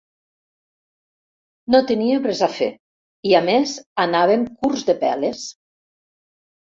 No teníem res a fer, i a més anàvem curts de peles.